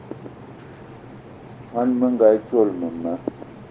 Món menga dzolo mema